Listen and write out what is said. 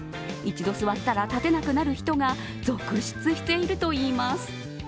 一度座ったら立てなくなる人が続出しているといいます。